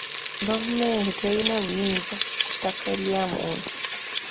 Gavumenti terina buyinza ku ttaka lya muntu.